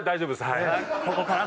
はい。